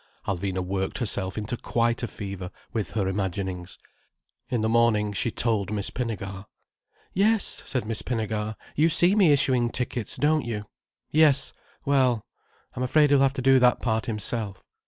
_)" Alvina worked herself into quite a fever, with her imaginings. In the morning she told Miss Pinnegar. "Yes," said Miss Pinnegar, "you see me issuing tickets, don't you? Yes—well. I'm afraid he will have to do that part himself.